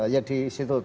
ya di situ